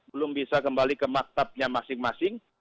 belum bisa kembali ke maktabnya masing masing